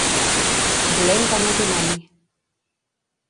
Dolent com el dimoni.